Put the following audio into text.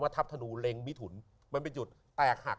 ต้องนุยมันเป็นจุดต่ักหัก